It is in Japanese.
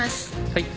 はい。